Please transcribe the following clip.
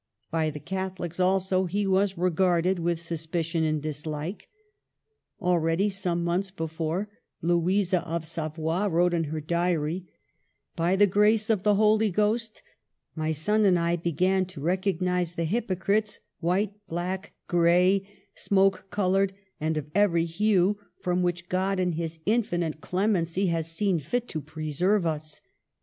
By the Catholics, also, he was regarded with suspicion and dislike. Al ready, some months before, Louisa of Savoy wrote in her diary :*' By the grace of the Holy Ghost my son and I began to recognize the hypocrites white, black, gray, smoke colored, and of every hue, from which God in His infinite clemency has seen fit to preserve us."